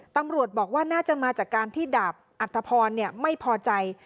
ตำรวจบอกว่าน่าจะมาจากการที่ดาบอัตภพรไม่พอใจ